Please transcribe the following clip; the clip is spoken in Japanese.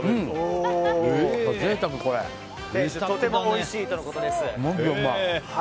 とてもおいしいとのことです。